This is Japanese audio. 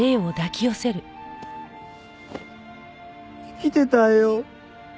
生きてたいよ。